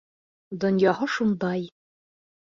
Донъяһы шундай.